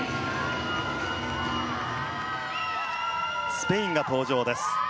スペインが登場です。